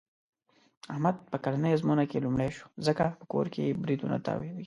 احمد په کلنۍ ازموینه کې لومړی شو. ځکه په کور کې برېتونه تاووي.